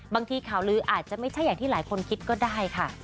ข่าวลืออาจจะไม่ใช่อย่างที่หลายคนคิดก็ได้ค่ะ